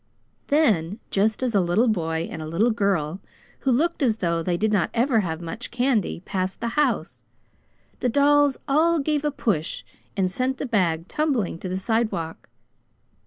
Then, just as a little boy and a little girl, who looked as though they did not ever have much candy, passed the house, the dolls all gave a push and sent the bag tumbling to the sidewalk.